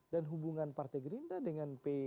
dan hubungan partai gerinda dengan p tiga